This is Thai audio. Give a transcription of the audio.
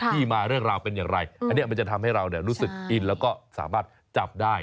ที่มาเรื่องราวเป็นอย่างไรอันนี้มันจะทำให้เรารู้สึกอินแล้วก็สามารถจับได้